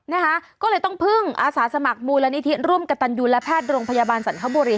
นะคะก็เลยต้องพึ่งอาสาสมัครมูลนิธิร่วมกับตันยูและแพทย์โรงพยาบาลสรรคบุรี